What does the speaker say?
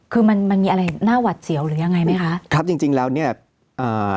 คือมันมีอะไรหน้าหวัดเหยียวอย่างไรไหมคะ